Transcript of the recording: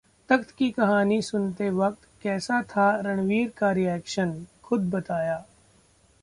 'तख्त' की कहानी सुनते वक्त कैसा था रणवीर का रिएक्शन? खुद बताया